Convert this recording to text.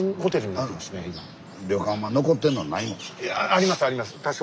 ありますあります。